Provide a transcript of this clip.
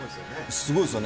すごいですね。